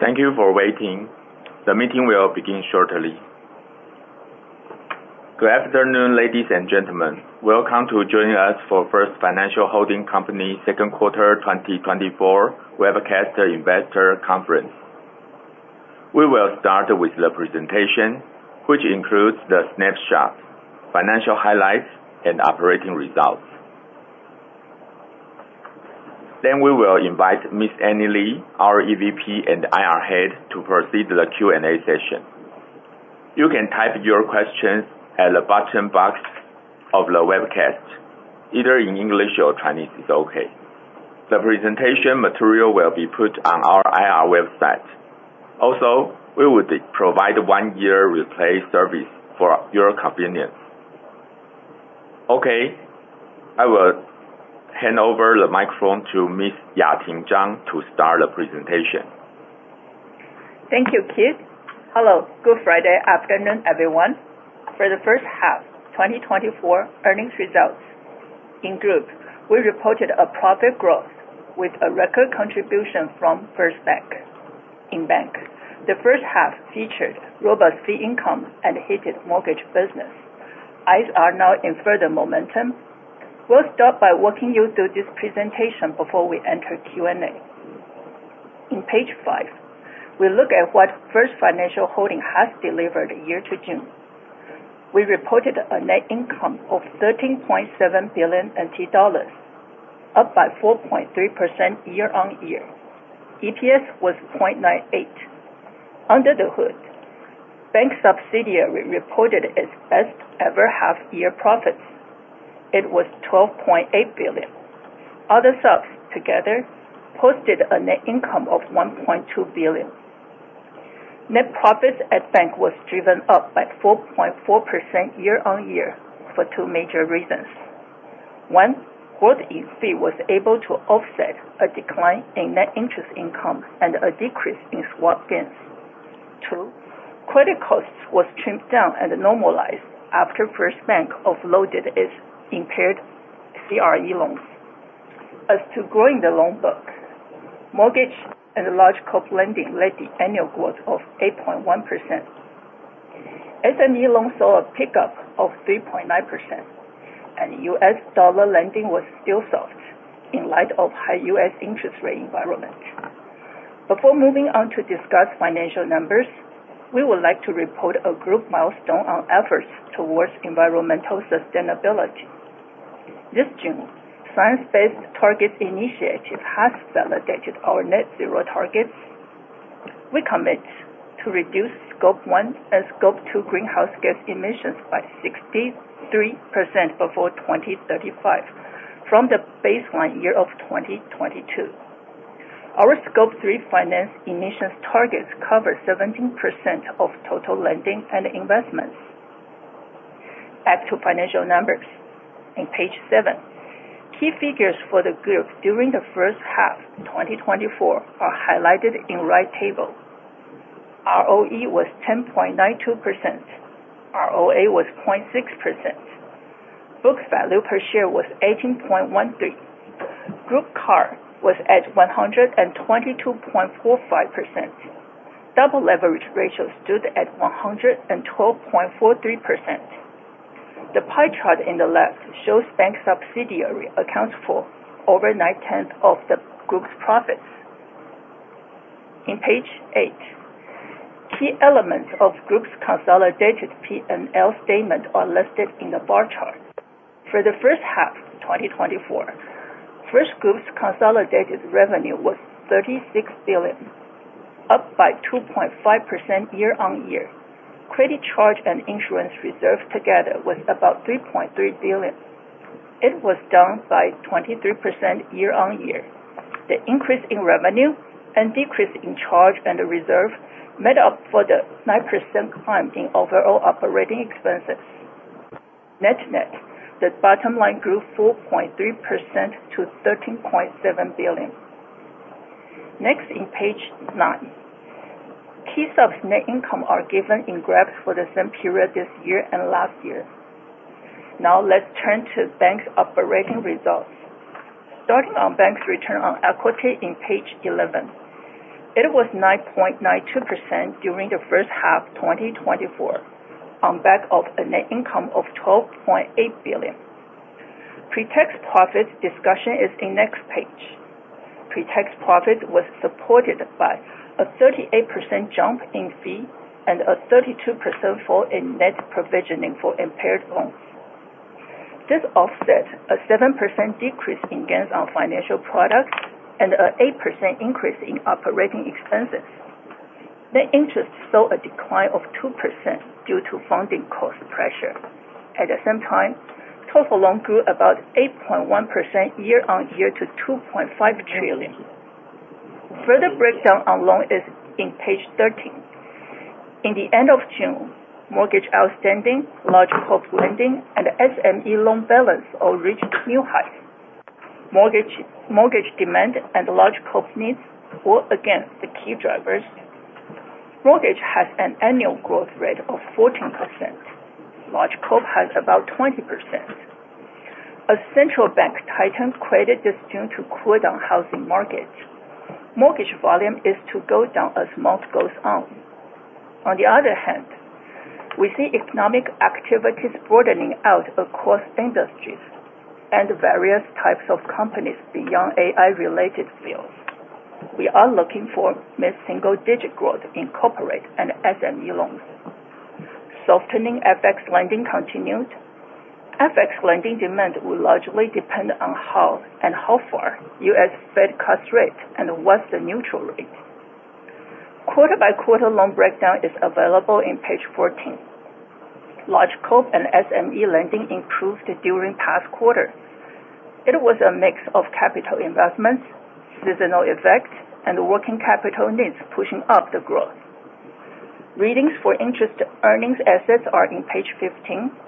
Thank you for waiting. The meeting will begin shortly. Good afternoon, ladies and gentlemen. Welcome to joining us for First Financial Holding second quarter 2024 webcast investor conference. We will start with the presentation, which includes the snapshot, financial highlights, and operating results. Then we will invite Ms. Annie Lee, our EVP and IR Head, to proceed to the Q&A session. You can type your questions at the bottom box of the webcast, either in English or Chinese is okay. The presentation material will be put on our IR website. Also, we will provide one-year replay service for your convenience. I will hand over the microphone to Ms. Yating Chang to start the presentation. Thank you, Keith. Hello. Good Friday afternoon, everyone. For the first half 2024 earnings results, in group, we reported a profit growth with a record contribution from First Bank. In bank, the first half featured robust fee income and heated mortgage business. Eyes are now in further momentum. We will start by walking you through this presentation before we enter Q&A. In page five, we look at what First Financial Holding has delivered year to June. We reported a net income of 13.7 billion NT dollars, up by 4.3% year-on-year. EPS was 0.98. Under the hood, bank subsidiary reported its best ever half year profits. It was 12.8 billion. Other subs together posted a net income of 1.2 billion. Net profits at bank was driven up by 4.4% year-on-year for two major reasons. One, core fee was able to offset a decline in net interest income and a decrease in swap gains. Two, credit costs was trimmed down and normalized after First Bank offloaded its impaired CRE loans. As to growing the loan book, mortgage and large corp lending led the annual growth of 8.1%. SME loans saw a pickup of 3.9%, and US dollar lending was still soft in light of high U.S. interest rate environment. Before moving on to discuss financial numbers, we would like to report a group milestone on efforts towards environmental sustainability. This June, Science Based Targets initiative has validated our net zero targets. We commit to reduce Scope 1 and Scope 2 greenhouse gas emissions by 63% before 2035 from the baseline year of 2022. Our Scope 3 finance emissions targets cover 17% of total lending and investments. Back to financial numbers in page seven. Key figures for the group during the first half 2024 are highlighted in right table. ROE was 10.92%. ROA was 0.6%. Book value per share was 18.13. Group CAR was at 122.45%. Double Leverage Ratio stood at 112.43%. The pie chart in the left shows bank subsidiary accounts for over 9/10 of the group's profits. In page eight, key elements of group's consolidated P&L statement are listed in the bar chart. For the first half 2024, First Group's consolidated revenue was 36 billion, up by 2.5% year-on-year. Credit charge and insurance reserve together was about 3.3 billion. It was down by 23% year-on-year. The increase in revenue and decrease in charge and reserve made up for the 9% climb in overall operating expenses. Net net, the bottom line grew 4.3% to 13.7 billion. In page 9, keys of net income are given in graphs for the same period this year and last year. Now let's turn to Bank's operating results. Starting on Bank's return on equity in page 11. It was 9.92% during the first half 2024, on back of a net income of 12.8 billion. Pre-tax profit discussion is in next page. Pre-tax profit was supported by a 38% jump in fee and a 32% fall in net provisioning for impaired loans. This offset a 7% decrease in gains on financial products and an 8% increase in operating expenses. Net interest saw a decline of 2% due to funding cost pressure. At the same time, total loan grew about 8.1% year-on-year to 2.5 trillion. Further breakdown on loan is in page 13. In the end of June, mortgage outstanding, large corp lending, and SME loan balance all reached new heights. Mortgage demand and large corp needs were again the key drivers. Mortgage has an annual growth rate of 14%. Large corp has about 20%. As Central Bank tightens credit this June to cool down housing markets, mortgage volume is to go down as months goes on. On the other hand, we see economic activities broadening out across industries and various types of companies beyond AI-related fields. We are looking for mid-single-digit growth in corporate and SME loans. Softening FX lending continued. FX lending demand will largely depend on how and how far U.S. Fed cuts rate and what's the neutral rate. Quarter-by-quarter loan breakdown is available on page 14. Large corp and SME lending improved during past quarter. It was a mix of capital investments, seasonal effects, and working capital needs pushing up the growth. Readings for interest-earning assets are on page 15.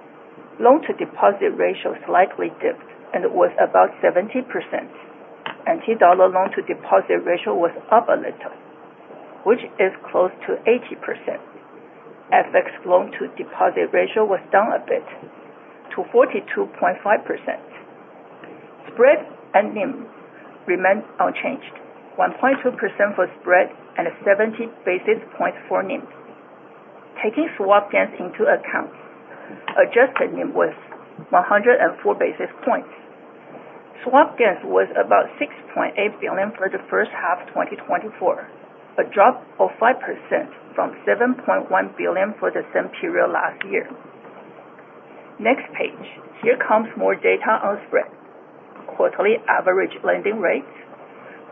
Loan-to-deposit ratio slightly dipped and was about 70%. NT dollar loan-to-deposit ratio was up a little, which is close to 80%. FX loan-to-deposit ratio was down a bit to 42.5%. Spread and NIM remained unchanged, 1.2% for spread and 70 basis points for NIM. Taking swap gains into account, adjusted NIM was 104 basis points. Swap gains was about 6.8 billion for the first half 2024, a drop of 5% from 7.1 billion for the same period last year. Next page. Here comes more data on spread. Quarterly average lending rates,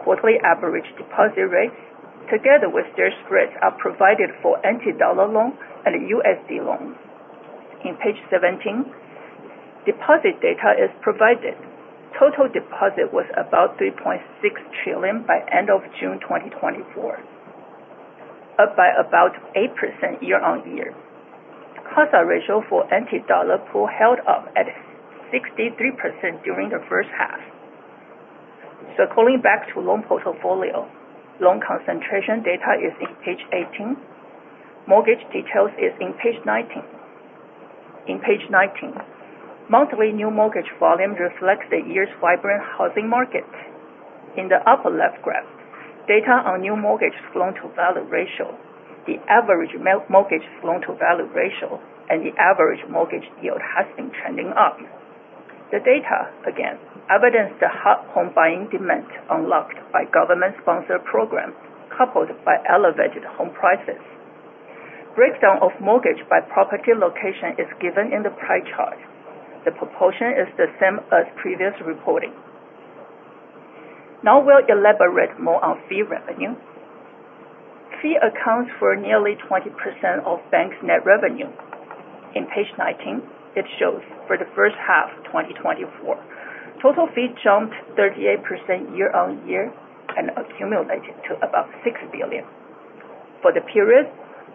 quarterly average deposit rates, together with their spreads are provided for NT dollar loans and USD loans. In page 17, deposit data is provided. Total deposit was about 3.6 trillion by end of June 2024, up by about 8% year-on-year. CASA ratio for NT dollar pool held up at 63% during the first half. Circling back to loan portfolio, loan concentration data is on page 18. Mortgage details is on page 19. In page 19, monthly new mortgage volume reflects the year's vibrant housing market. In the upper left graph, data on new mortgage loan-to-value ratio, the average mortgage loan-to-value ratio, and the average mortgage yield has been trending up. The data, again, evidenced the hot home-buying demand unlocked by government-sponsored programs, coupled by elevated home prices. Breakdown of mortgage by property location is given in the pie chart. The proportion is the same as previous reporting. Now we'll elaborate more on fee revenue. Fee accounts for nearly 20% of Bank's net revenue. In page 19, it shows for the first half 2024, total fee jumped 38% year-on-year and accumulated to about 6 billion. For the period,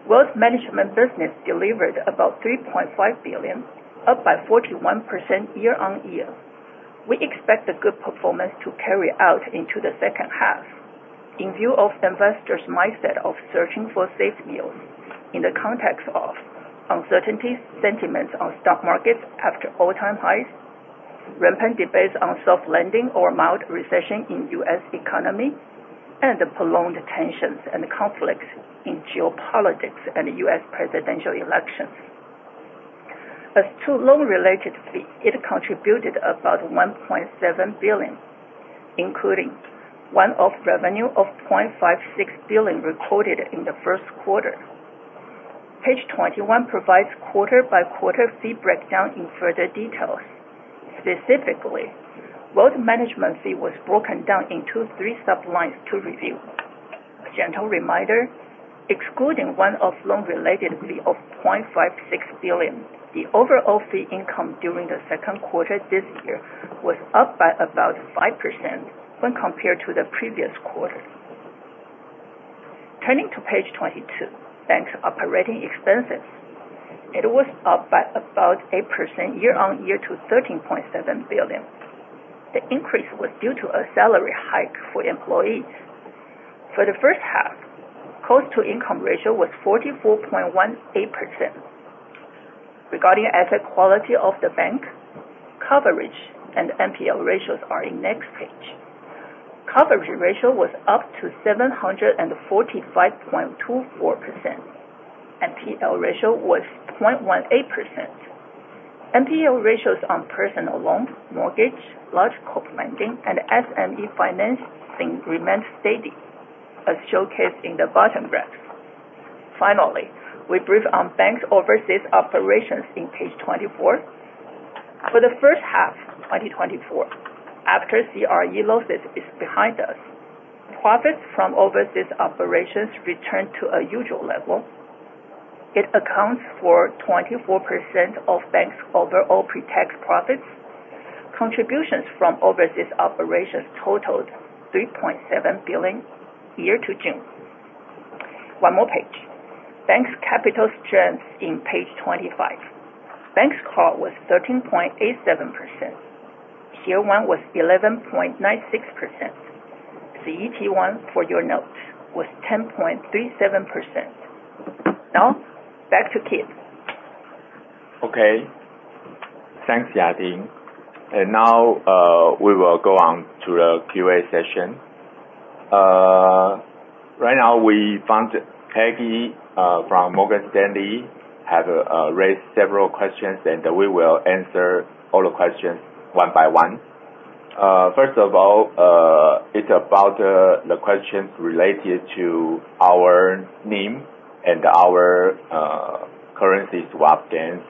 wealth management business delivered about 3.5 billion, up by 41% year-on-year. We expect the good performance to carry out into the second half. In view of investors' mindset of searching for safe yields in the context of uncertainty sentiments on stock markets after all-time highs, rampant debates on soft landing or mild recession in U.S. economy, and the prolonged tensions and conflicts in geopolitics and the U.S. presidential elections. As to loan-related fee, it contributed about 1.7 billion, including one-off revenue of 0.56 billion recorded in the first quarter. Page 21 provides quarter-by-quarter fee breakdown in further details. Specifically, wealth management fee was broken down into three sub-lines to review. A gentle reminder, excluding one-off loan related fee of 0.56 billion, the overall fee income during the second quarter this year was up by about 5% when compared to the previous quarter. Turning to page 22, bank's operating expenses. It was up by about 8% year-on-year to 13.7 billion. The increase was due to a salary hike for employees. For the first half, Cost-to-Income Ratio was 44.18%. Regarding asset quality of the bank, coverage and NPL ratios are in next page. Coverage ratio was up to 745.24%. NPL ratio was 0.18%. NPL ratios on personal loans, mortgage, large corp lending, and SME financing remained steady as showcased in the bottom graph. Finally, we brief on bank's overseas operations on page 24. For the first half of 2024, after CRE losses is behind us, profits from overseas operations returned to a usual level. It accounts for 24% of bank's overall pre-tax profits. Contributions from overseas operations totaled 3.7 billion year to June. One more page. Bank's capital strength in page 25. Bank's core was 13.87%. Q1 was 11.96%. CET1, for your note, was 10.37%. Now, back to Keith. Okay. Thanks, Yating. Now, we will go on to the QA session. Right now, we found Peggy from Morgan Stanley has raised several questions, we will answer all the questions one by one. First of all, it's about the questions related to our NIM and our currency swap gains.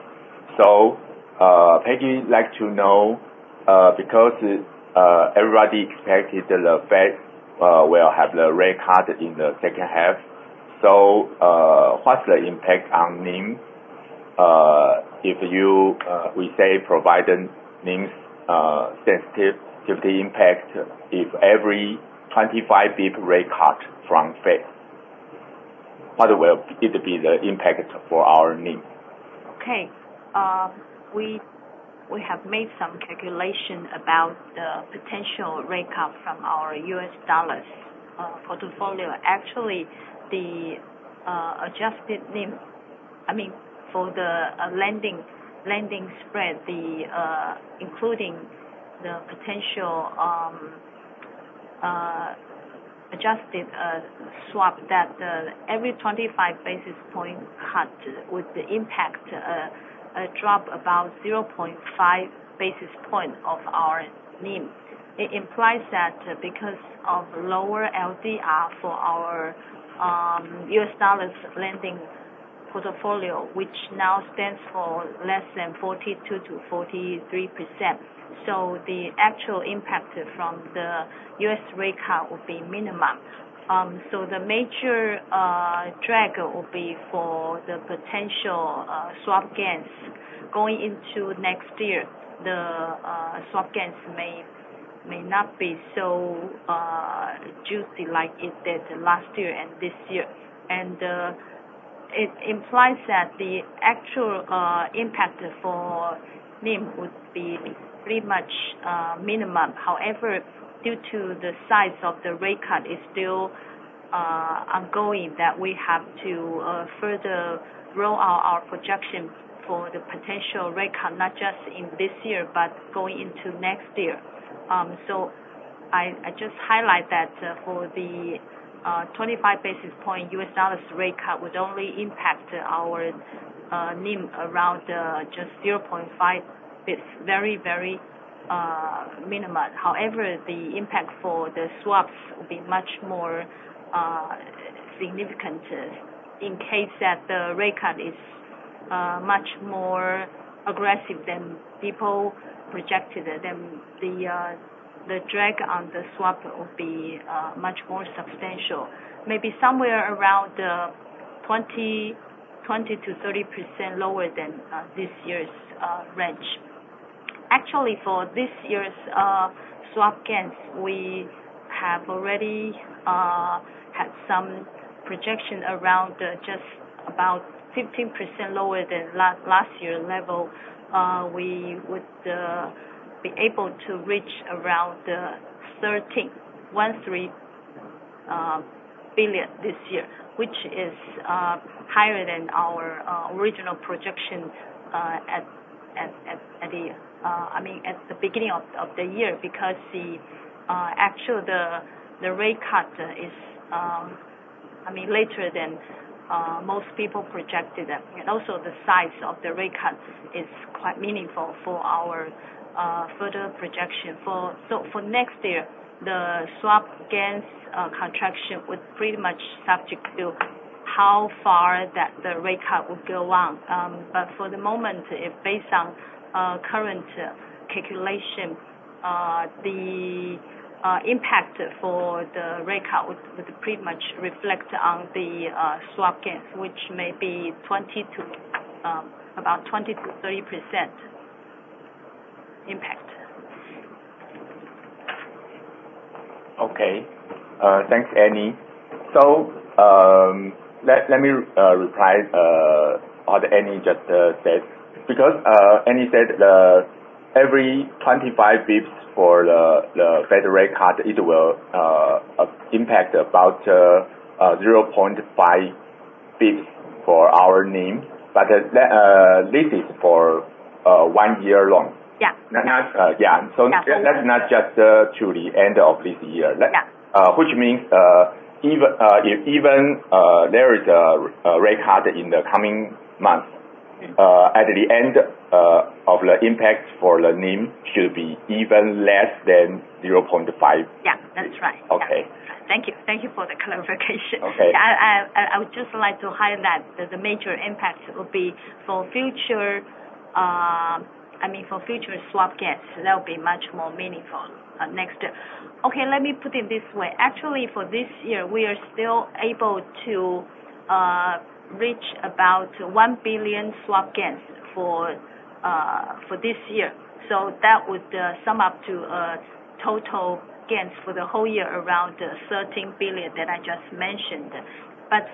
Peggy would like to know, because everybody expected that the Fed will have the rate cut in the second half, what's the impact on NIM? If we say provided NIM sensitivity impact if every 25 basis points rate cut from Fed, what will be the impact for our NIM? Okay. We have made some calculation about the potential rate cut from our U.S. dollars portfolio. Actually, the adjusted NIM I mean, for the lending spread, including the potential adjusted swap that every 25 basis point cut would impact a drop about 0.5 basis point of our NIM. It implies that because of lower LDR for our U.S. dollars lending portfolio, which now stands for less than 42%-43%, the actual impact from the U.S. rate cut would be minimum. The major drag will be for the potential swap gains going into next year. The swap gains may not be so juicy like it did last year and this year. It implies that the actual impact for NIM would be pretty much minimum. However, due to the size of the rate cut is still ongoing, that we have to further roll out our projection for the potential rate cut, not just in this year, but going into next year. I just highlight that for the 25 basis point U.S. dollars rate cut would only impact our NIM around just 0.5 basis points. Very minimum. However, the impact for the swaps will be much more significant in case that the rate cut is much more aggressive than people projected. The drag on the swap will be much more substantial, maybe somewhere around 20%-30% lower than this year's range. Actually, for this year's swap gains, we have already had some projection around just about 15% lower than last year level. We would be able to reach around 13 billion this year, which is higher than our original projection at the beginning of the year because the actual rate cut is later than most people projected, also the size of the rate cut is quite meaningful for our further projection. For next year, the swap gains contraction would pretty much subject to how far that the rate cut would go on. For the moment, based on current calculation, the impact for the rate cut would pretty much reflect on the swap gains, which may be about 20%-30% impact. Okay. Thanks, Annie. Let me reprise what Annie just said. Annie said every 25 bps for the Federal rate cut, it will impact about 0.5 bps for our NIM. This is for one year loan. Yeah. Yeah. That's not just to the end of this year. Yeah. Which means if even there is a rate cut in the coming month, at the end of the impact for the NIM should be even less than 0.5. Yeah, that's right. Okay. Thank you. Thank you for the clarification. Okay. I would just like to highlight that the major impacts will be for future swap gains. That will be much more meaningful next year. Let me put it this way. Actually, for this year, we are still able to reach about 1 billion swap gains for this year. Total gains for the whole year around 13 billion that I just mentioned.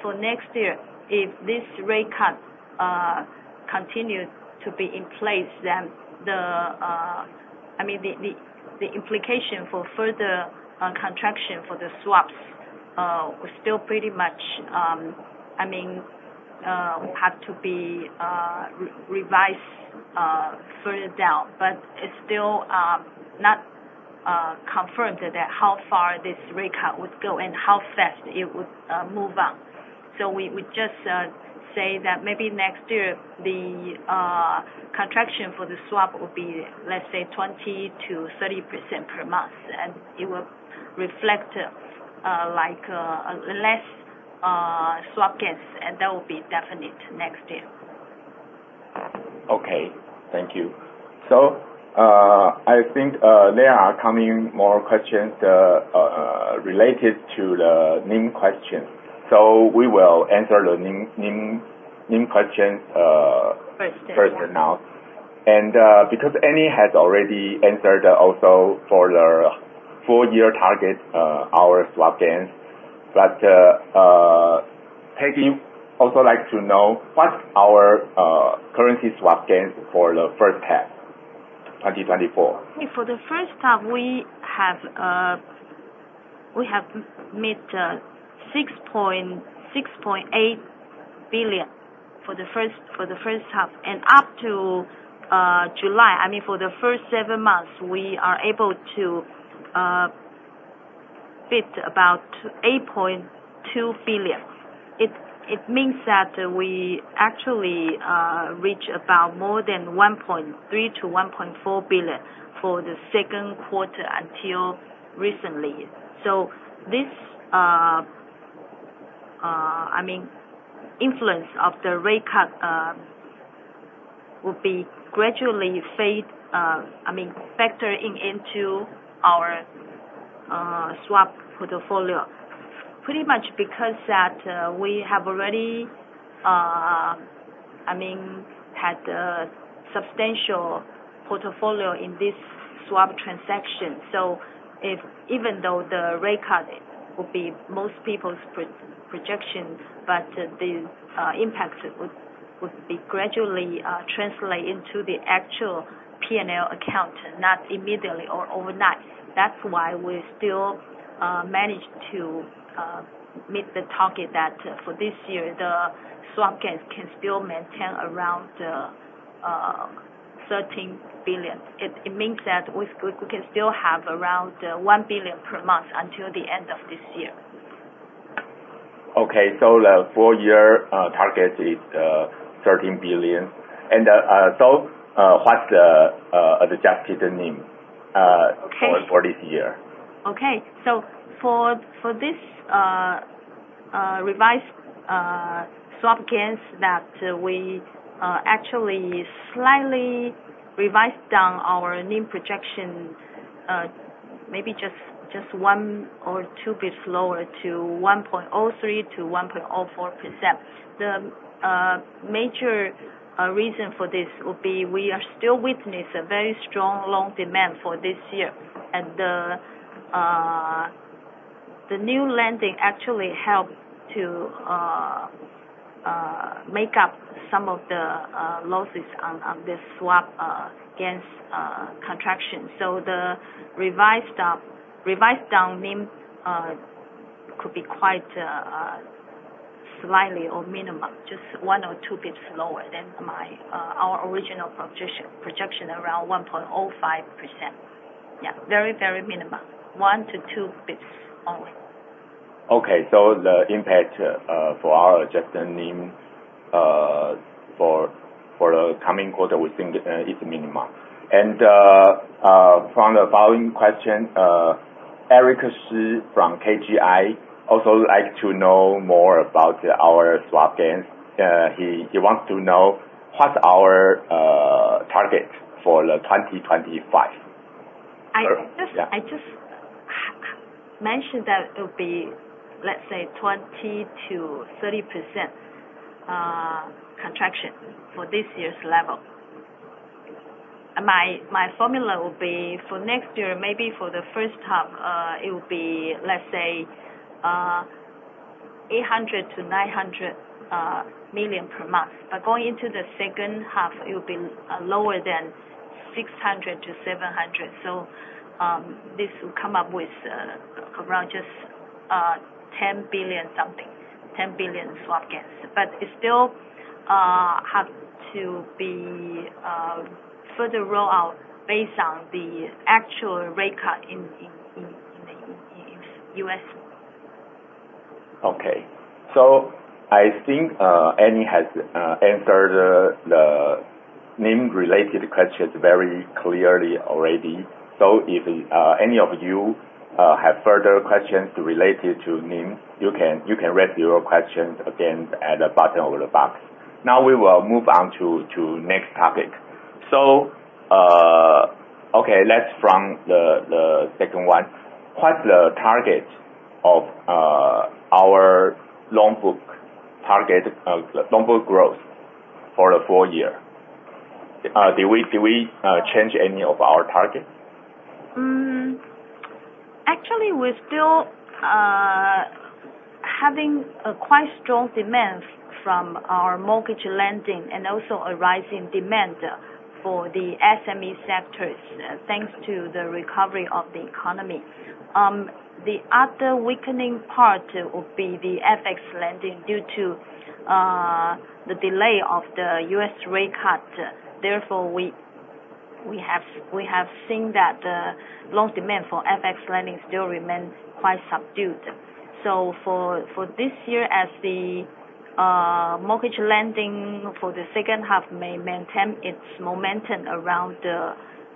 For next year, if this rate cut continues to be in place, then the implication for further contraction for the swaps will still pretty much have to be revised further down. But it is still not confirmed that how far this rate cut would go and how fast it would move up. We just say that maybe next year, the contraction for the swap would be, let's say, 20%-30% per month, and it will reflect less swap gains, and that will be definite next year. Okay. Thank you. I think there are coming more questions related to the NIM question. We will answer the NIM question. First first now. Because Annie has already answered also for the full year target, our swap gains. Peggy also likes to know what's our currency swap gains for the first half 2024. For the first half, we have made TWD 6.8 billion for the first half. Up to July, I mean, for the first seven months, we are able to fit about 8.2 billion. It means that we actually reach about more than 1.3 billion-1.4 billion for the second quarter until recently. This influence of the rate cut will be gradually factor in into our swap portfolio. Pretty much because that we have already had a substantial portfolio in this swap transaction. Even though the rate cut will be most people's projections, but the impacts would be gradually translate into the actual P&L account, not immediately or overnight. That's why we still managed to meet the target that for this year, the swap gains can still maintain around 13 billion. It means that we can still have around 1 billion per month until the end of this year. Okay. The full year target is 13 billion. What's the adjusted NIM- Okay for this year? For this revised swap gains that we actually slightly revised down our NIM projection, maybe just one or two basis points lower to 1.03%-1.04%. The major reason for this would be we are still witness a very strong loan demand for this year. The new lending actually helped to make up some of the losses on this swap gains contraction. The revised down NIM could be quite slightly or minimum, just one or two basis points lower than our original projection around 1.05%. Very, very minimum. One to two basis points only. The impact for our adjusted NIM for the coming quarter, we think it's minimal. From the following question, Eric Shih from KGI, also like to know more about our swap gains. He wants to know what's our target for the 2025. I just mentioned that it will be, let's say, 20%-30% contraction for this year's level. My formula will be for next year, maybe for the first half, it will be, let's say, 800 million-900 million per month. Going into the second half, it will be lower than 600 million-700 million. This will come up with around just 10 billion something, 10 billion swap gains. It still have to be further roll out based on the actual rate cut in the U.S. I think Annie has answered the NIM related questions very clearly already. If any of you have further questions related to NIM, you can raise your questions again at the bottom of the box. Now we will move on to next topic. Let's from the second one. What's the target of our loan book growth? For the full year. Do we change any of our targets? We're still having a quite strong demand from our mortgage lending and also a rising demand for the SME sectors, thanks to the recovery of the economy. The other weakening part will be the FX lending due to the delay of the U.S. rate cut. We have seen that the loan demand for FX lending still remains quite subdued. For this year as the mortgage lending for the second half may maintain its momentum around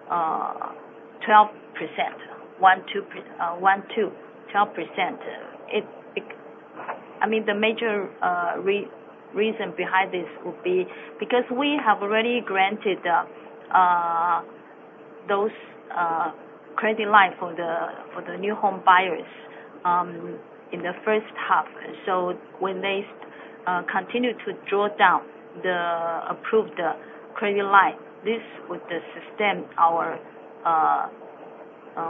12%. The major reason behind this would be because we have already granted those credit line for the new home buyers in the first half. When they continue to draw down the approved credit line, this would sustain our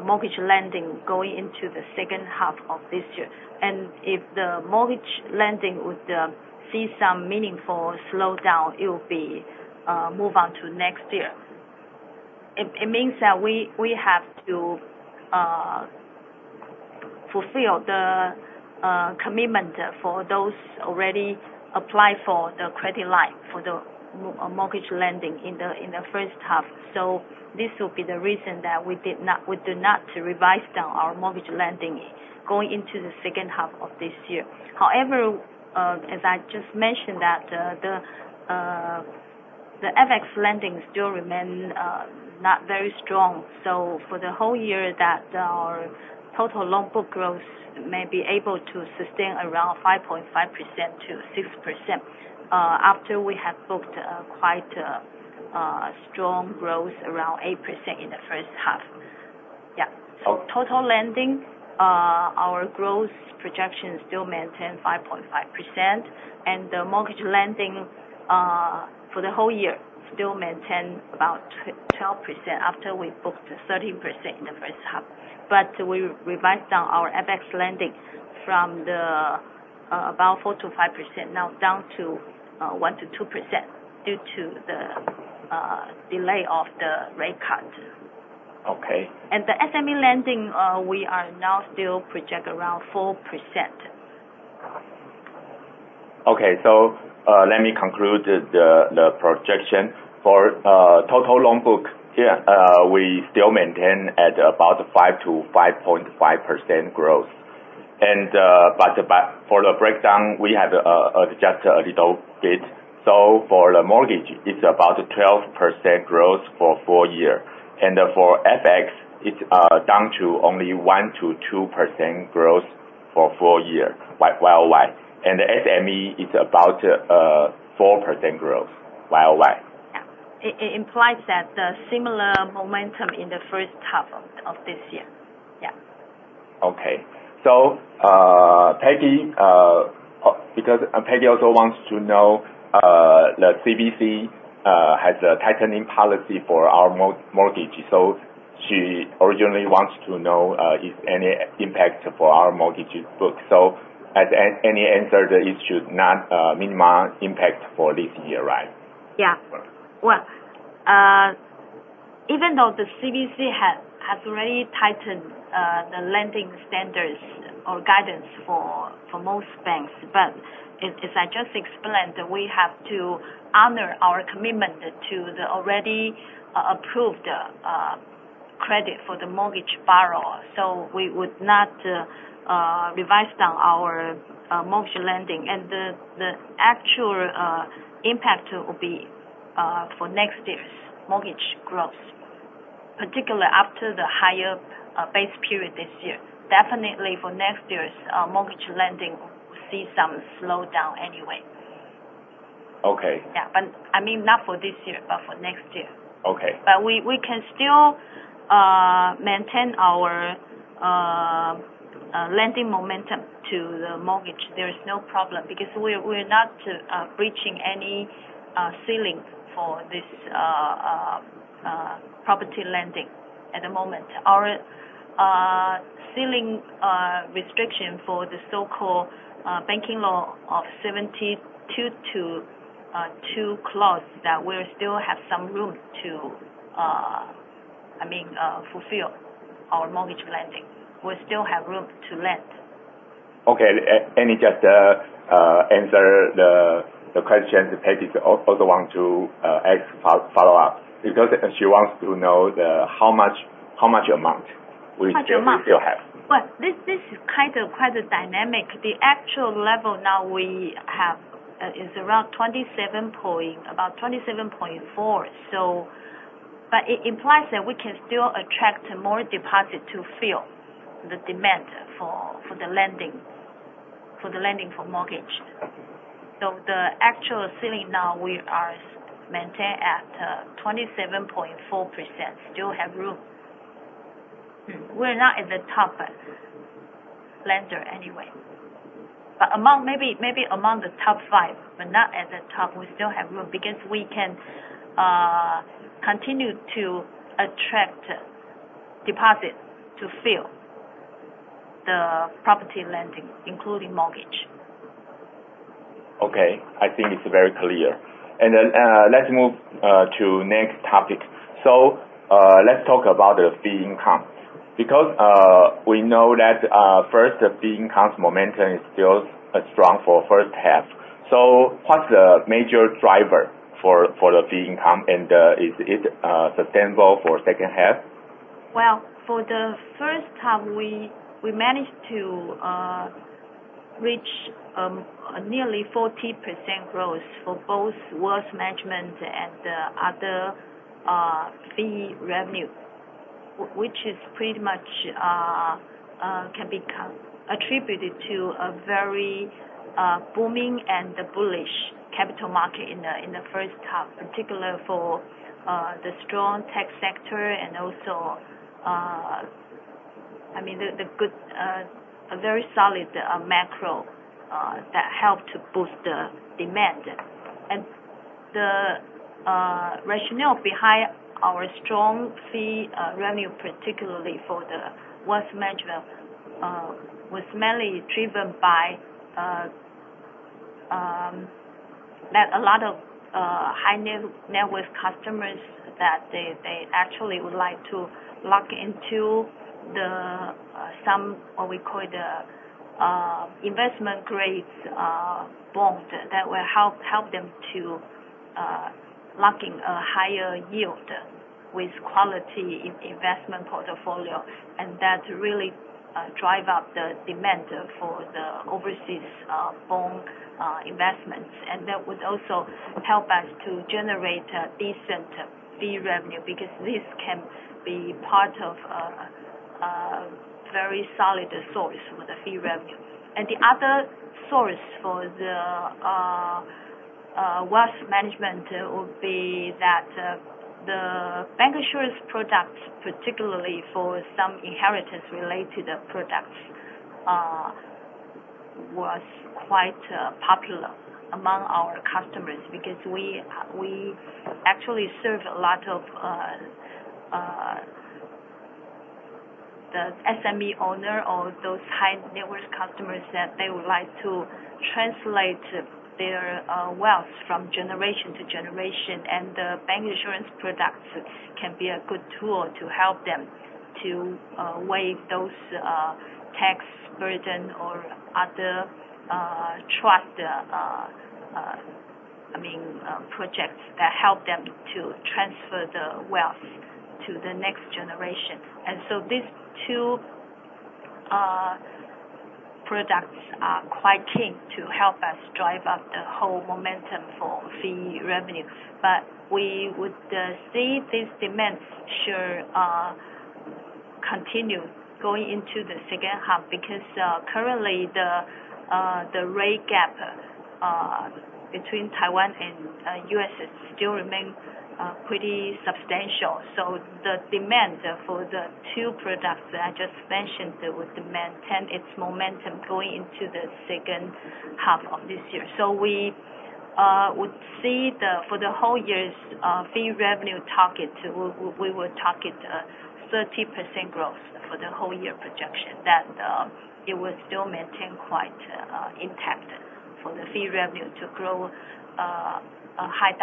mortgage lending going into the second half of this year. If the mortgage lending would see some meaningful slowdown, it will be move on to next year. It means that we have to fulfill the commitment for those already applied for the credit line for the mortgage lending in the first half. This will be the reason that we do not revise our mortgage lending going into the second half of this year. However, as I just mentioned that the FX lending still remain not very strong. For the whole year, our total loan book growth may be able to sustain around 5.5%-6%, after we have booked quite a strong growth around 8% in the first half. Yeah. Okay. Total lending, our growth projection still maintain 5.5%, and the mortgage lending for the whole year still maintain about 12% after we booked 13% in the first half. We revised down our FX lendings from about 4%-5%, now down to 1%-2% due to the delay of the rate cut. Okay. The SME lending, we are now still project around 4%. Okay. Let me conclude the projection. For total loan book- Yeah we still maintain at about 5%-5.5% growth. For the breakdown, we have just a little bit. For the mortgage, it's about 12% growth for full year. For FX, it's down to only 1%-2% growth for full year, YOY. The SME is about a 4% growth YOY. Yeah. It implies that the similar momentum in the first half of this year. Yeah. Okay. Peggy also wants to know that CBC has a tightening policy for our mortgage. She originally wants to know if any impact for our mortgages book. As Annie answered, it should not minimal impact for this year, right? Yeah. Well, even though the CBC has already tightened the lending standards or guidance for most banks. As I just explained, we have to honor our commitment to the already approved credit for the mortgage borrower. We would not revise now our mortgage lending. The actual impact will be for next year's mortgage growth, particularly after the higher base period this year. Definitely for next year's mortgage lending, we'll see some slowdown anyway. Okay. Yeah. I mean, not for this year, but for next year. Okay. We can still maintain our lending momentum to the mortgage. There is no problem because we're not breaching any ceiling for this property lending at the moment. Our ceiling restriction for the so-called Banking Act Article 72-2, that we still have some room to fulfill our mortgage lending. We still have room to lend. Okay. Annie, just answer the question Peggy also want to ask follow-up, because she wants to know how much amount we still have. How much amount. This is quite a dynamic. The actual level now we have is around 27.4%. It implies that we can still attract more deposit to fill the demand for the lending for mortgage. The actual ceiling now, we are maintaining at 27.4%, still have room. We are not at the top lender anyway. Maybe among the top five, but not at the top. We still have room because we can continue to attract deposits to fill the property lending, including mortgage. I think it is very clear. Let us move to next topic. Let us talk about the fee income, because we know that First, the fee income's momentum is still strong for first half. What is the major driver for the fee income, and is it sustainable for second half? For the first half, we managed to reach nearly 40% growth for both wealth management and other fee revenue, which pretty much can become attributed to a very booming and bullish capital market in the first half, particularly for the strong tech sector and also a very solid macro that helped to boost the demand. The rationale behind our strong fee revenue, particularly for the wealth management, was mainly driven by a lot of high-net-worth customers that they actually would like to lock into some, what we call the investment-grade bond that will help them to lock in a higher yield with quality in investment portfolio. That really drove up the demand for the overseas bond investments. That would also help us to generate a decent fee revenue, because this can be part of a very solid source for the fee revenue. The other source for the wealth management would be that the bank insurance products, particularly for some inheritance-related products, was quite popular among our customers because we actually serve a lot of the SME owner or those high-net-worth customers that they would like to translate their wealth from generation to generation. The bank insurance products can be a good tool to help them to waive those tax burden or other trust projects that help them to transfer the wealth to the next generation. These two products are quite key to help us drive up the whole momentum for fee revenue. We would see this demand should continue going into the second half, because currently the rate gap between Taiwan and U.S. still remains pretty substantial. The demand for the two products that I just mentioned will maintain its momentum going into the second half of this year. We would see for the whole year's fee revenue target, we will target 30% growth for the whole year projection, that it will still maintain quite intact for the fee revenue to grow a high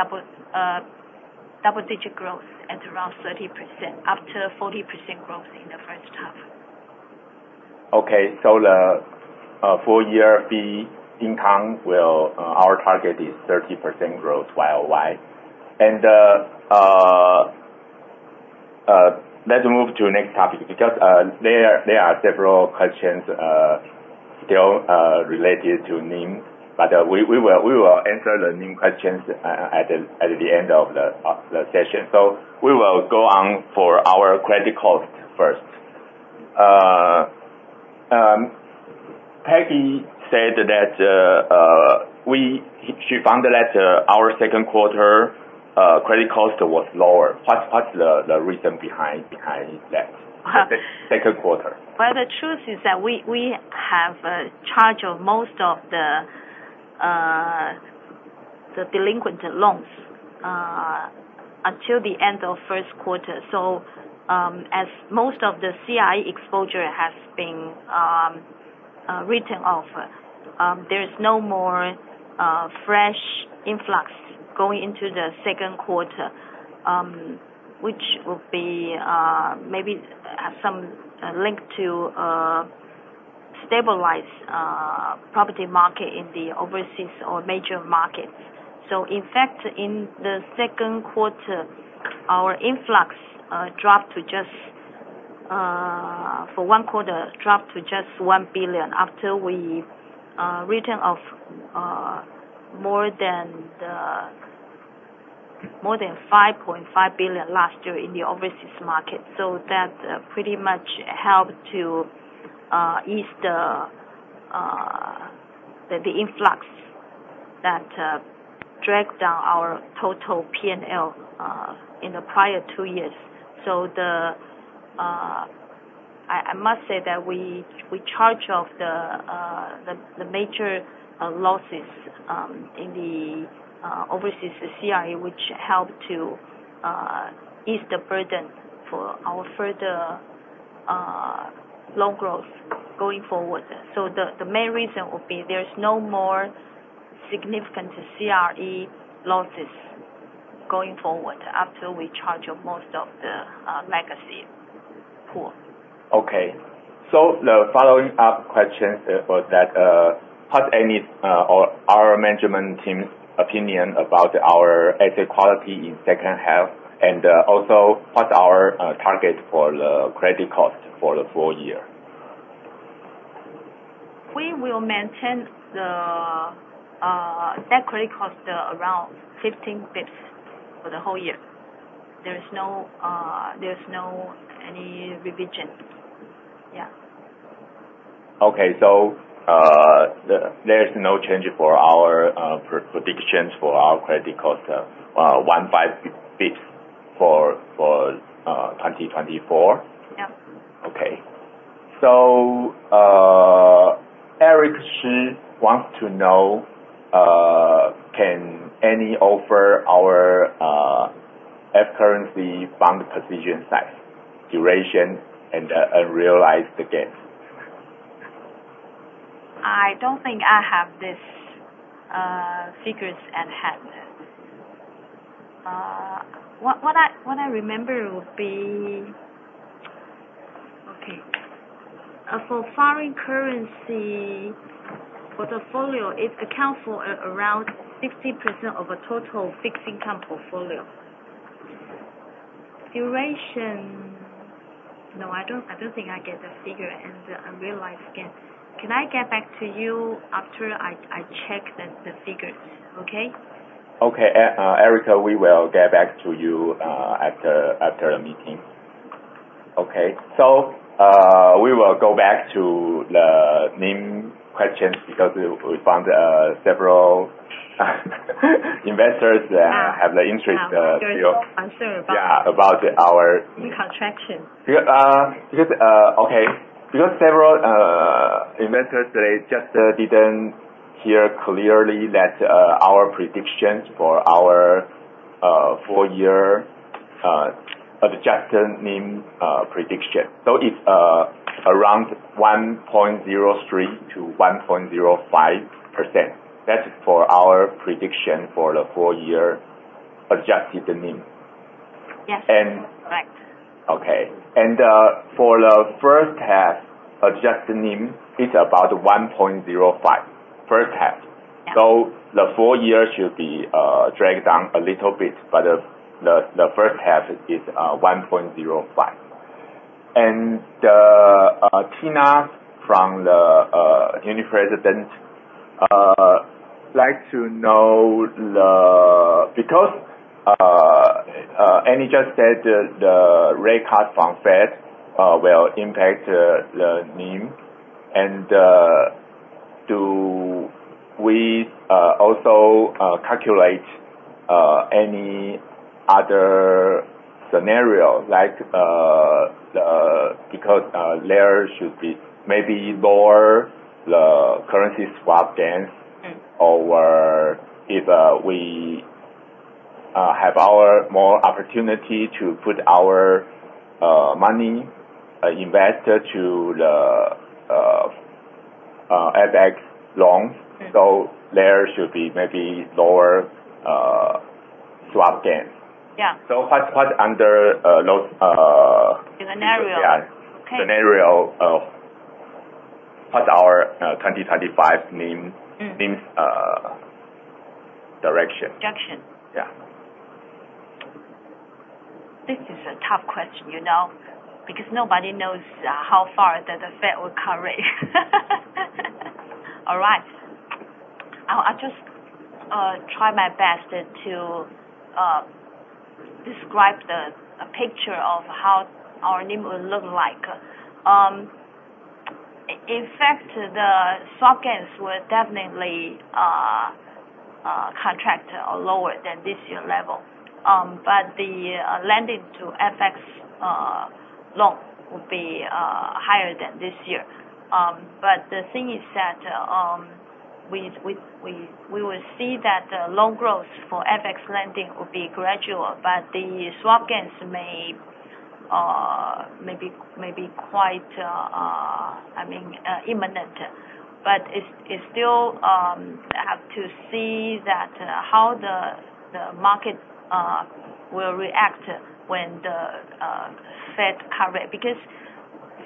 double-digit growth at around 30%, after 40% growth in the first half. Okay. The full year fee income, our target is 30% growth YoY. Let's move to next topic because there are several questions still related to NIM, but we will answer the NIM questions at the end of the session. We will go on for our credit cost first. Peggy said that she found that our second quarter credit cost was lower. What's the reason behind that second quarter? Well, the truth is that we have charged most of the delinquent loans until the end of first quarter. As most of the CRE exposure has been written off, there is no more fresh influx going into the second quarter, which will be maybe have some link to a stabilized property market in the overseas or major markets. In fact, in the second quarter, our influx for one quarter dropped to just 1 billion after we've written off more than 5.5 billion last year in the overseas market. That pretty much helped to ease the influx that dragged down our total P&L in the prior two years. I must say that we charge off the major losses in the overseas CRE, which helped to ease the burden for our further loan growth going forward. The main reason would be there's no more significant CRE losses going forward after we charge most of the legacy pool. Okay. The following up questions for that. What are our management team's opinion about our asset quality in second half, and also what's our target for the credit cost for the full year? We will maintain the target credit cost around 15 bps for the whole year. There's no any revision. Yeah. Okay. There is no change for our predictions for our credit cost, 15 bps for 2024? Yeah. Okay. Eric Shih wants to know, can Annie offer our FX currency bond position size, duration, and unrealized gains? I don't think I have these figures at hand. What I remember would be Okay. For foreign currency portfolio, it accounts for around 60% of the total fixed income portfolio. Duration, no, I don't think I get the figure and the unrealized gain. Can I get back to you after I check the figures? Okay? Okay, Erica, we will get back to you after the meeting. Okay. We will go back to the NIM questions because we found several investors that have the interest. Yeah. There is no answer about. Yeah, about our. NIM contraction. Okay. Several investors, they just didn't hear clearly that our predictions for our full year adjusted NIM prediction. It's around 1.03% to 1.05%. That's for our prediction for the full year adjusted NIM. Yes. And- Correct. Okay. For the first half, adjusted NIM is about 1.05%. First half. Yeah. The full year should be dragged down a little bit, but the first half is 1.05%. Tina from the Uni-President likes to know Because Annie just said the rate cut from Fed will impact the NIM, and do we also calculate any other scenario? There should be maybe lower the currency swap gains- If we have our more opportunity to put our money invested to the FX loans. There should be maybe lower swap gains. Yeah. What under those Scenario yeah. Okay. Scenario of what our 2025 NIM NIM's direction. Direction. Yeah. This is a tough question because nobody knows how far that the Federal Reserve will cut rate. All right. I'll just try my best to describe the picture of how our NIM will look like. In fact, the swap gains will definitely contract lower than this year level. The lending to FX loan will be higher than this year. The thing is that, we will see that the loan growth for FX lending will be gradual, but the swap gains may be quite imminent. It still have to see that how the market will react when the Federal Reserve cut rate.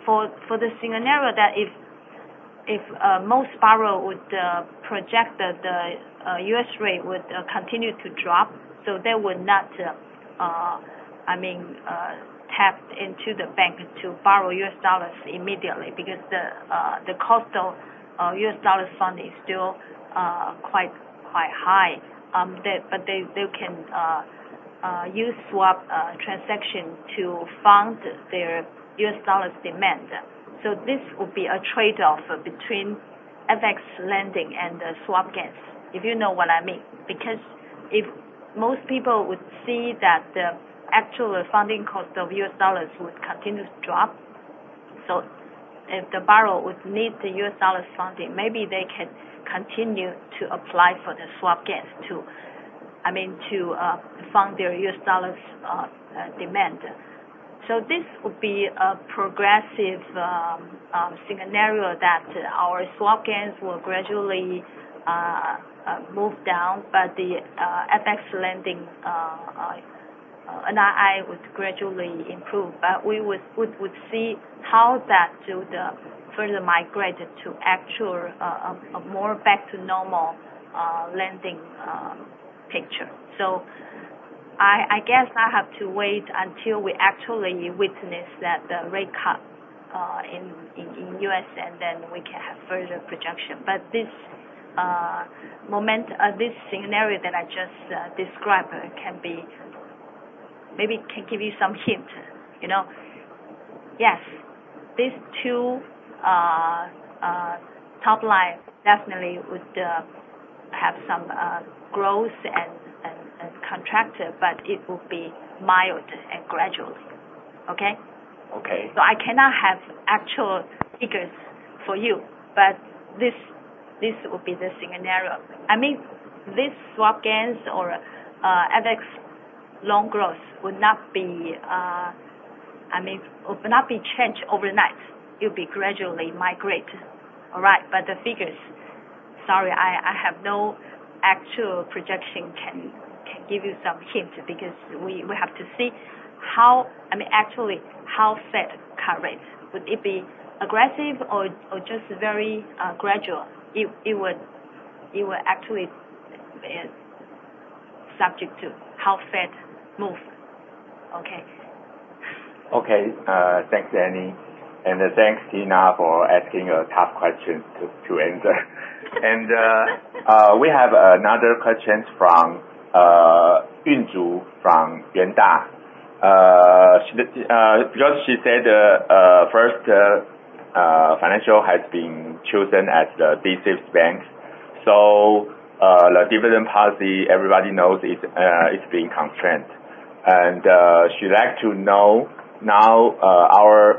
For the scenario that if most borrower would project the U.S. rate would continue to drop, so they would not tap into the bank to borrow U.S. dollars immediately because the cost of U.S. dollar fund is still quite high. They can use swap transaction to fund their U.S. dollars demand. This will be a trade-off between FX lending and the swap gains, if you know what I mean. If most people would see that the actual funding cost of U.S. dollars would continue to drop. If the borrower would need the U.S. dollars funding, maybe they can continue to apply for the swap gains to fund their U.S. dollars demand. This will be a progressive scenario that our swap gains will gradually move down. The FX lending NII would gradually improve, we would see how that would further migrate to actual, more back to normal lending picture. I guess I have to wait until we actually witness the rate cut in U.S. and then we can have further projection. This scenario that I just described maybe can give you some hint. Yes. These two top line definitely would have some growth and contract, it will be mild and gradual. Okay? Okay. I cannot have actual figures for you, but this will be the scenario. This swap gains or FX loan growth would not be changed overnight. It will gradually migrate. All right? The figures, sorry, I have no actual projection can give you some hint because we have to see actually how Fed cut rates. Would it be aggressive or just very gradual? It would actually be subject to how Fed moves. Okay. Okay. Thanks, Annie, and thanks, Tina, for asking a tough question to answer. We have another question from Yunju from Yuanta. Because she said First Financial has been chosen as the D-SIB bank. The dividend policy everybody knows is being constrained. She'd like to know now,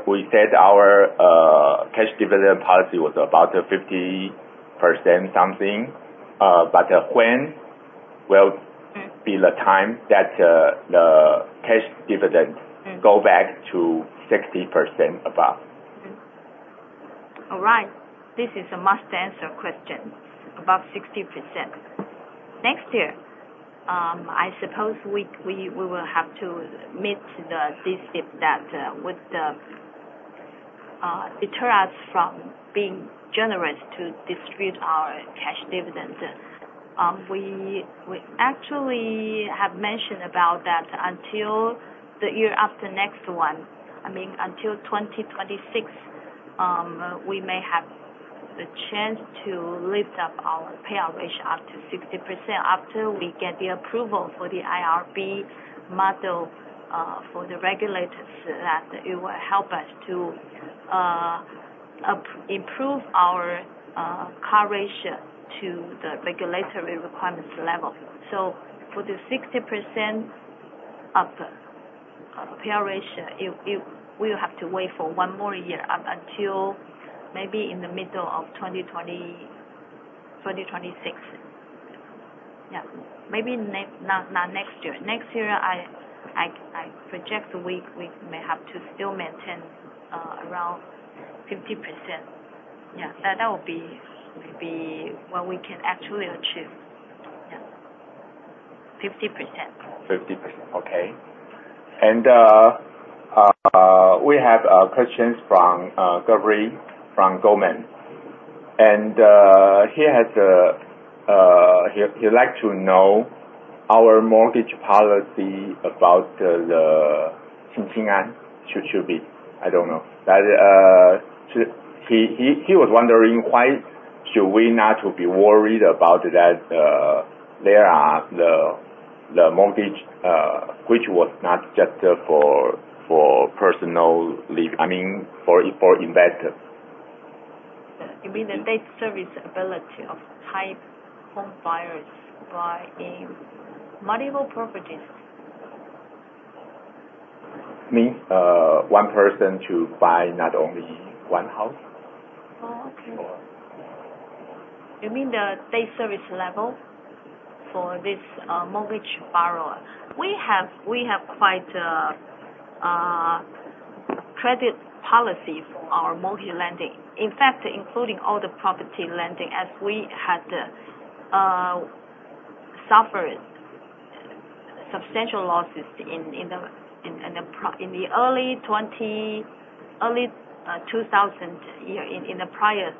we said our cash dividend policy was about 50% something. When will be the time that the cash dividend go back to 60% above? All right. This is a must answer question. Above 60%. Next year, I suppose we will have to meet the D-SIB that would deter us from being generous to distribute our cash dividends. We actually have mentioned about that until the year after next one. Until 2026, we may have the chance to lift up our payout ratio up to 60% after we get the approval for the IRB model for the regulators, that it will help us to improve our coverage to the regulatory requirements level. For the 60% of the payout ratio, we'll have to wait for one more year until maybe in the middle of 2026. Yeah. Maybe not next year. Next year, I project we may have to still maintain around 50%. Yeah. That will be maybe what we can actually achieve. Yeah. 50%. 50%. Okay. We have a question from Gabriel from Goldman. He'd like to know our mortgage policy about the Xingqing'an Qiqiubi. I don't know. He was wondering why should we not be worried about that there are the mortgage, which was not just for personal living, I mean for investor. You mean the debt service ability of type home buyers buying multiple properties? You mean, one person to buy not only one house? Okay. You mean the debt service level for this mortgage borrower? We have quite a credit policy for our mortgage lending. In fact, including all the property lending as we had suffered substantial losses in the early 2000s, in the prior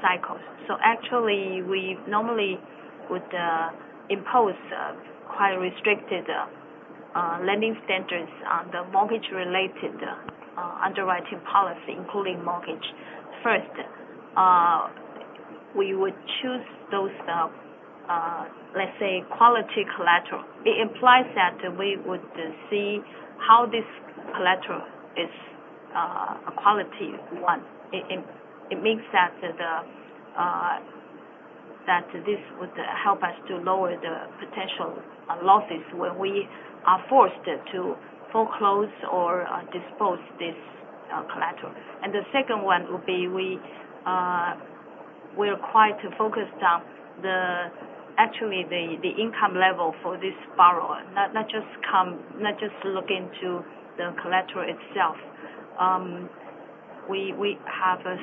cycles. Actually, we normally would impose quite restricted lending standards on the mortgage related underwriting policy, including mortgage. First, we would choose those, let's say, quality collateral. It implies that we would see how this collateral is a quality one. It means that this would help us to lower the potential losses when we are forced to foreclose or dispose this collateral. The second one will be, we are quite focused on the actual income level for this borrower, not just look into the collateral itself. We have to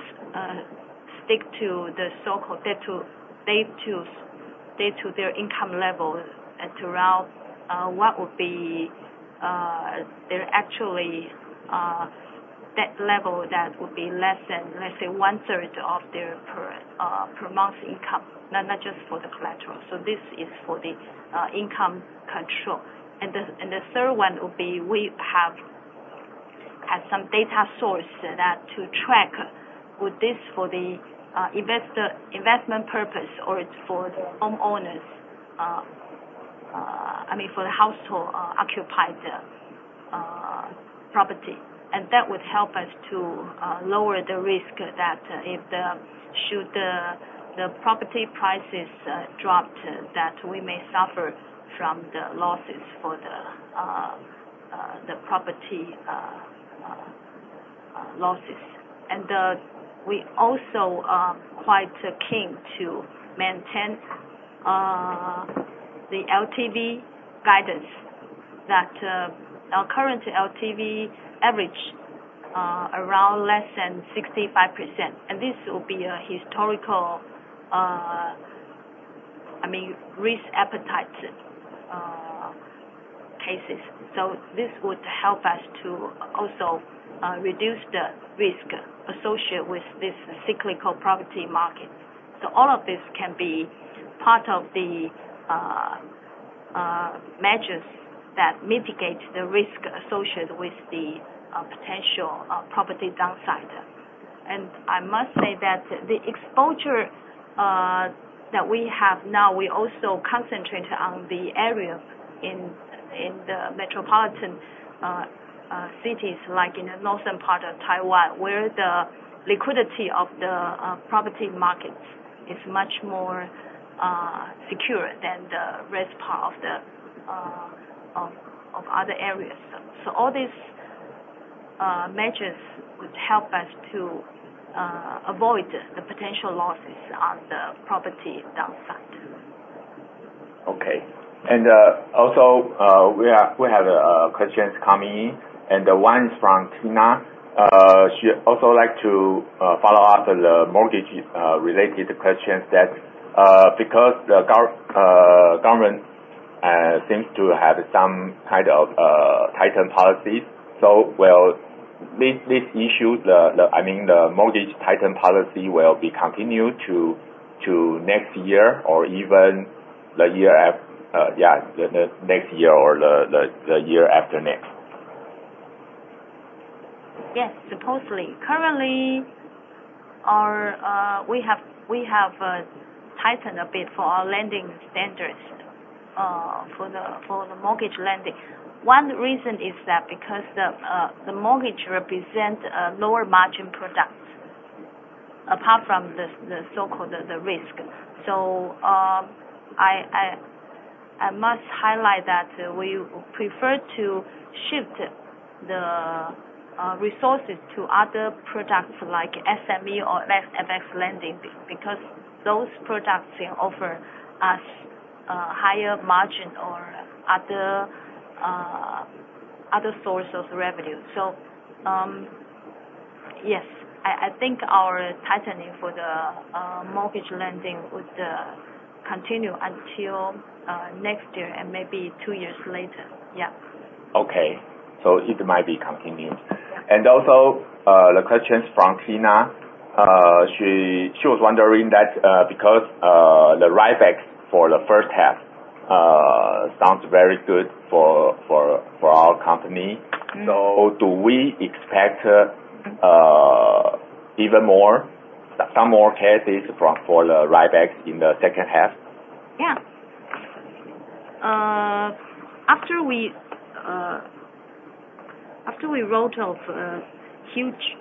stick to the so-called debt to their income level and throughout what would be their actual debt level that would be less than, let's say, one third of their per month income, not just for the collateral. This is for the income control. The third one will be, we have some data source to track with this for the investment purpose, or it's for the homeowners. I mean, for the household occupied property. That would help us to lower the risk that should the property prices drop, that we may suffer from the losses for the property losses. We also are quite keen to maintain the LTV guidance, that our current LTV average around less than 65%. This will be a historical risk appetite cases. This would help us to also reduce the risk associated with this cyclical property market. All of this can be part of the measures that mitigate the risk associated with the potential property downside. I must say that the exposure that we have now, we also concentrate on the areas in the metropolitan cities, like in the northern part of Taiwan, where the liquidity of the property market is much more secure than the rest part of other areas. All these measures would help us to avoid the potential losses on the property downside. Okay. We have questions coming in, and one is from Tina. She'd also like to follow up the mortgage-related questions that because the government seems to have some kind of tightened policies, will this issue, the mortgage tighten policy, will be continued to next year or even the year after next? Yes, supposedly. Currently, we have tightened a bit for our lending standards for the mortgage lending. One reason is that because the mortgage represents a lower margin product apart from the so-called risk. I must highlight that we prefer to shift the resources to other products like SME or FX lending, because those products can offer us a higher margin or other source of revenue. Yes, I think our tightening for the mortgage lending would continue until next year and maybe two years later. Yeah. Okay. It might be continued. The question's from Tina. She was wondering that because the write-backs for the first half sounds very good for our company, do we expect even more, some more cases for the write-backs in the second half? Yeah. After we wrote off huge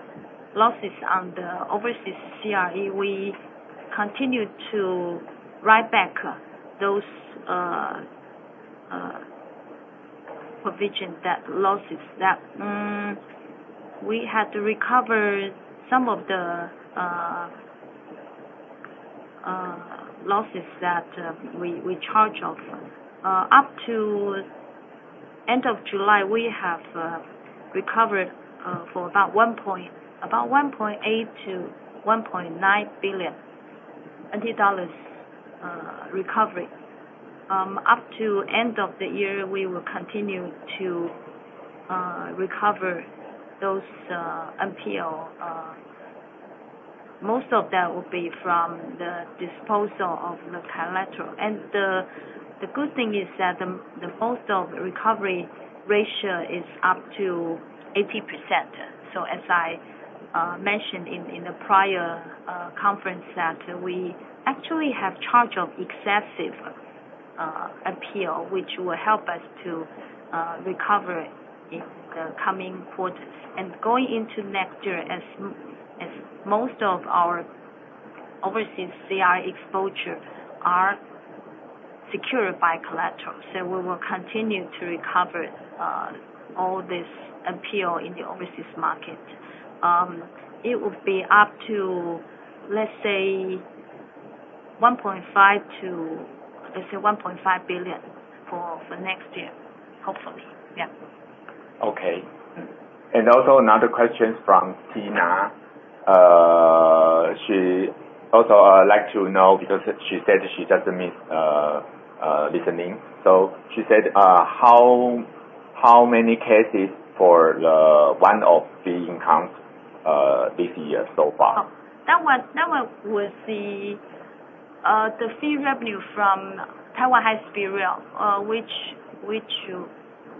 losses on the overseas CRE, we continued to write back those provisions, the losses that we had to recover some of the losses that we charged off. Up to end of July, we have recovered for about 1.8 billion-1.9 billion recovery. Up to end of the year, we will continue to recover those NPL. Most of that will be from the disposal of the collateral. The good thing is that the wholesale recovery ratio is up to 80%. As I mentioned in the prior conference that we actually have charged off excessive NPL, which will help us to recover in the coming quarters. Going into next year, as most of our overseas CRE exposure are secured by collaterals, we will continue to recover all this NPL in the overseas market. It would be up to, let's say, 1.5 billion for next year, hopefully. Yeah. Okay. Also another question from Tina. She also like to know, because she said she doesn't miss listening. She said, how many cases for the one-off fee income this year so far? That one was the fee revenue from Taiwan High-Speed Rail, which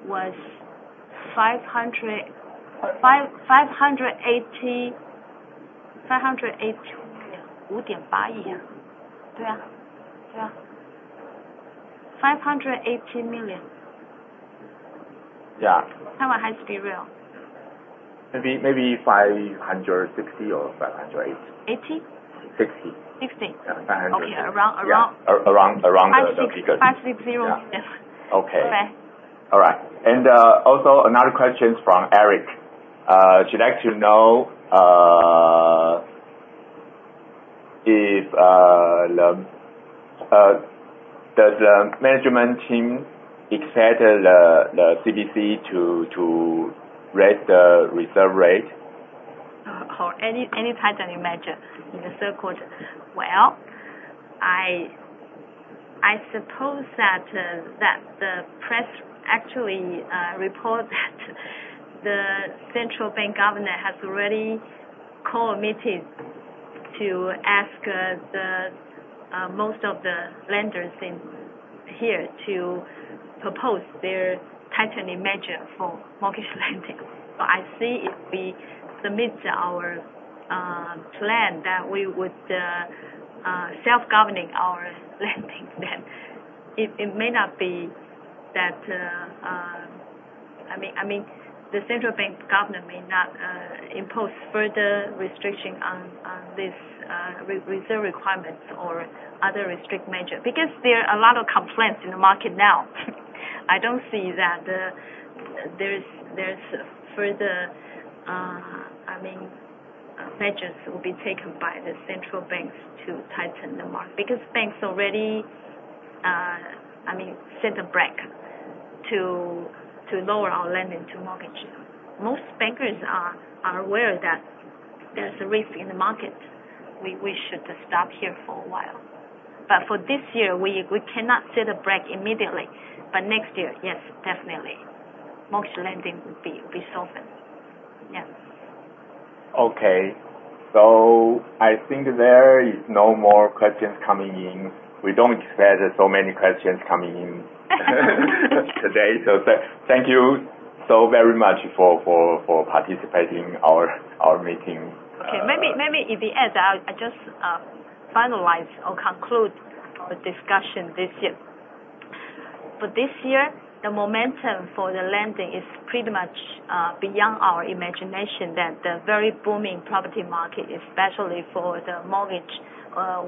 was TWD 580 million. Yeah. Taiwan High-Speed Rail. Maybe 560 or 580. Eighty? Sixty. Sixty. Yeah. Okay. Around the figure. 560. Yeah. Okay. Okay. Also another question from Eric Shih. He'd like to know if the management team expected the CBC to raise the reserve rate? Any tightening measure in the third quarter. Well, I suppose that the press actually report that the Central Bank Governor has already called a meeting to ask most of the lenders in here to propose their tightening measure for mortgage lending. I see if we submit our plan that we would self-governing our lending, it may not be that the Central Bank Governor may not impose further restriction on this reserve requirements or other restrictive measure because there are a lot of complaints in the market now. I don't see that there's further measures will be taken by the Central Bank to tighten the market, because banks already set a brake to lower our lending to mortgage. Most bankers are aware that there's a risk in the market. We should stop here for a while. For this year, we cannot set a brake immediately. next year, yes, definitely. Mortgage lending will be softened. Yeah. Okay. I think there is no more questions coming in. We don't expect so many questions coming in today, thank you so very much for participating our meeting. Okay. Maybe in the end, I just finalize or conclude our discussion this year. This year, the momentum for the lending is pretty much beyond our imagination, that the very booming property market, especially for the mortgage,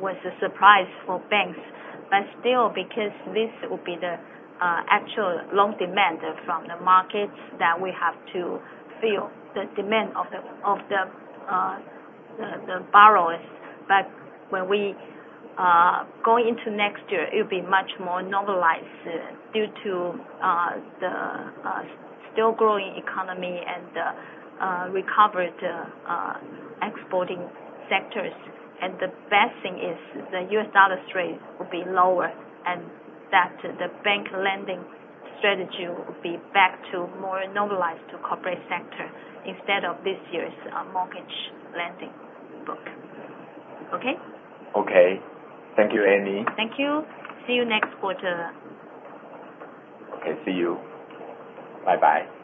was a surprise for banks. Still, because this will be the actual loan demand from the markets that we have to fill the demand of the borrowers. When we go into next year, it will be much more normalized due to the still-growing economy and the recovered exporting sectors. The best thing is the U.S. dollar strength will be lower, and that the bank lending strategy will be back to more normalized to corporate sector instead of this year's mortgage lending book. Okay? Okay. Thank you, Annie. Thank you. See you next quarter. Okay, see you. Bye bye. Bye.